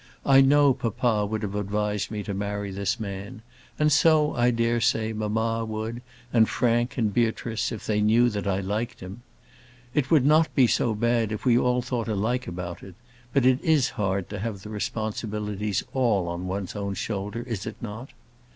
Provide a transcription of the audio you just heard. I know papa would have advised me to marry this man; and so, I dare say, mamma would, and Frank, and Beatrice, if they knew that I liked him. It would not be so bad if we all thought alike about it; but it is hard to have the responsibilities all on one's own shoulder; is it not?